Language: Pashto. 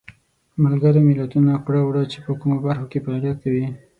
ملګرو ملتونو کړه وړه چې په کومو برخو کې فعالیت کوي.